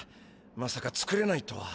まさか作れないとは。